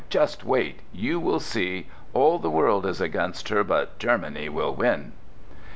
"Just wait! You will see! All the world is against her, but Germany will win!"